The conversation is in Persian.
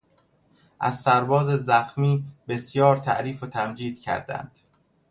از سرباز زخمی بسیار تعریف و تمجید کردند.